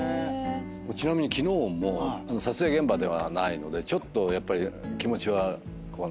ちなみに昨日も撮影現場ではないのでちょっとやっぱり気持ちは何かこう。